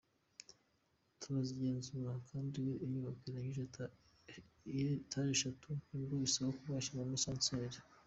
Turazigenzura kandi iyo inyubako irengeje etaje eshatu nibwo isabwa kuba yashyirwamo asanseri.”